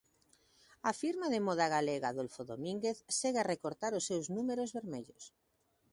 A firma de moda galega Adolfo Domínguez segue a recortar os seus números vermellos.